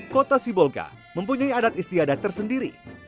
kota sibolga mempunyai adat istiadat tersendiri